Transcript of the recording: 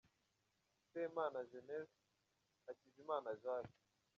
Semana Genese& Hakizimana Jacques.